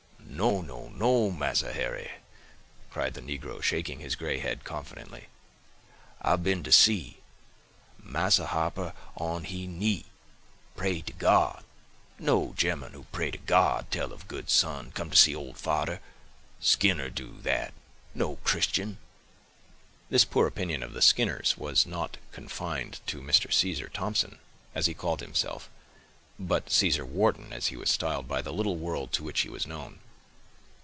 "No, no, no, Massa Harry," cried the negro, shaking his gray head confidently; "I been to see—Massa Harper on he knee—pray to God—no gemman who pray to God tell of good son, come to see old fader—Skinner do that—no Christian!" This poor opinion of the Skinners was not confined to Mr. Caesar Thompson, as he called himself—but Caesar Wharton, as he was styled by the little world to which he was known.